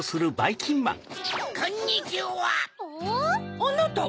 あなたは？